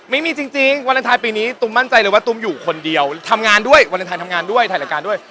ไม่มีจริงวาเลนไทยปีนี้ตุ้มมั่นใจเลยว่าตุ้มอยู่คนเดียวทำงานด้วยวาเลนไทยทำงานด้วยถ่ายรายการด้วย